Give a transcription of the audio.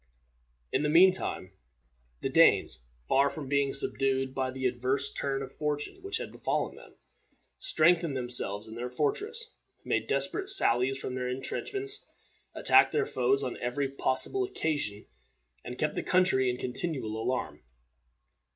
In the mean time, the Danes, far from being subdued by the adverse turn of fortune which had befallen them, strengthened themselves in their fortress, made desperate sallies from their intrenchments, attacked their foes on every possible occasion, and kept the country in continual alarm.